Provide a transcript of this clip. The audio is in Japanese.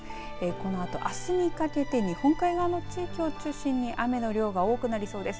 このあとあすにかけて日本海側の地域を中心に雨の量が多くなりそうです。